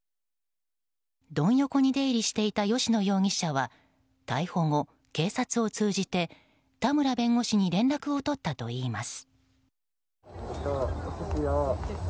ドン横に出入りしていた吉野容疑者は逮捕後警察を通じて、田村弁護士に連絡を取ったといいます。